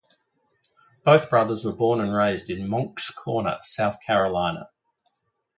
Both brothers were born and raised in Moncks Corner, South Carolina.